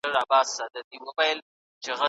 شاه محمود د دښمن د غرور ماڼۍ ونړولې.